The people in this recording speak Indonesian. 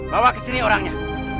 bawa kesini orangnya